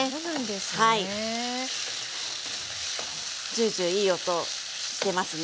ジュージューいい音してますね。